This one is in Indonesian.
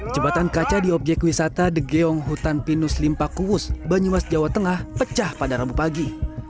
jembatan kaca di objek wisata degeong hutan pinus limpa kuus banyumas jawa tengah pecah pada rabu pagi